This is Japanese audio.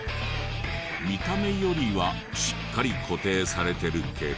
見た目よりはしっかり固定されてるけど。